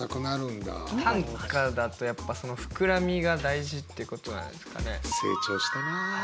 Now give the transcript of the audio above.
短歌だとやっぱその膨らみが大事ってことなんですかね。